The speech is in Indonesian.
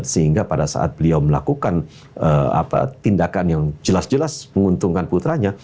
sehingga pada saat beliau melakukan tindakan yang jelas jelas menguntungkan putranya